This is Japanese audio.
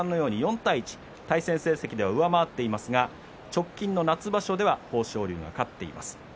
４対１対戦成績では上回っていますが直近の夏場所では豊昇龍が勝っています。